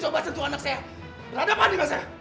berada apa anima saya